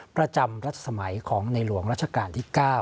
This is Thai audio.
ประจำรัฐสมัยของในหลวงรัชกาลที่๙